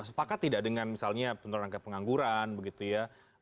sepakat tidak dengan misalnya penerangka pengangguran begitu ya